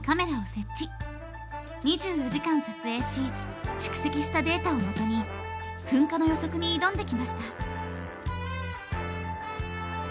２４時間撮影し蓄積したデータをもとに噴火の予測に挑んできました。